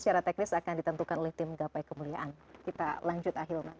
secara teknis akan ditentukan oleh tim gapai kemuliaan kita lanjut ahilman